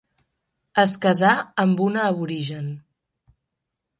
Es casà amb una aborigen.